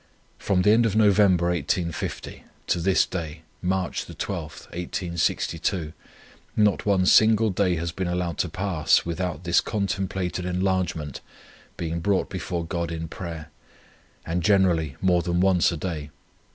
From the end of November, 1850, to this day, March 12, 1862, not one single day has been allowed to pass, without this contemplated enlargement being brought before God in prayer, and generally more than once a day.